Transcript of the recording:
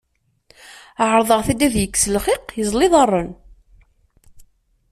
Σerḍeɣ-t-id ad yekkes lxiq, yeẓẓel iḍarren.